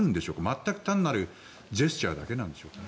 全く単なるジェスチャーだけなんでしょうか。